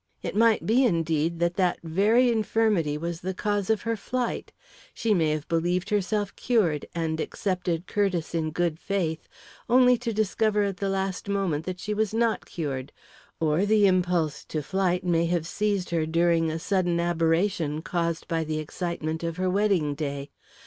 It might be, indeed, that that very infirmity was the cause of her flight. She may have believed herself cured, and accepted Curtiss in good faith, only to discover at the last moment that she was not cured; or the impulse to flight may have seized her during a sudden aberration caused by the excitement of her wedding day.